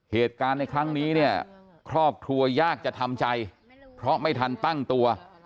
เหตุการณ์ในครั้งนี้เนี่ยครอบครัวยากจะทำใจเพราะไม่ทันตั้งตัว